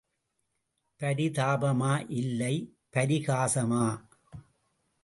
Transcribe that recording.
பரிதாபமா, இல்லை பரிகாசமா!